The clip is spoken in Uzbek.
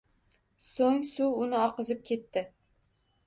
So`ng, suv uni oqizib ketdi